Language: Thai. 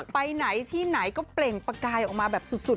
ไปไหนที่ไหนก็เปล่งประกายออกมาแบบสุด